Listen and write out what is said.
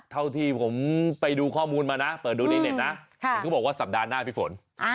เท่าที่ผมไปดูข้อมูลมานะเปิดดูในเน็ตนะเห็นเขาบอกว่าสัปดาห์หน้าพี่ฝน